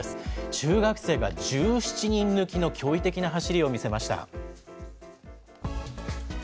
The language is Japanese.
中学生が１７人抜きの驚異的な走りを見せました。